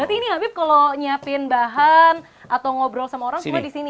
berarti ini mbak bib kalau nyiapin bahan atau ngobrol sama orang cuma di sini